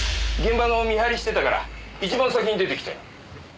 現場の見張りしてたから一番先に出てきたよ。